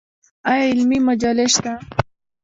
آیا علمي مجلې شته؟